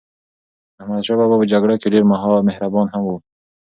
احمدشاه بابا په جګړه کې ډېر مهربان هم و.